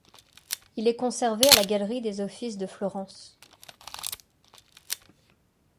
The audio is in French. Il est conservé à la Galerie des Offices de Florence.